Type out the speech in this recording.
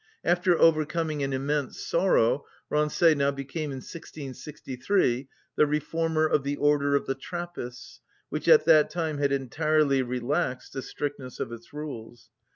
After overcoming an immense sorrow, Rancé now became, in 1663, the reformer of the order of the Trappists, which at that time had entirely relaxed the strictness of its rules.